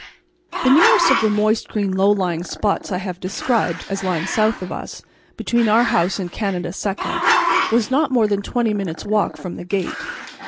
The nearest of the moist green low lying spots I have described as lying south of us, between our house and Canada Seca, was not more than twenty minutes' walk from the gate.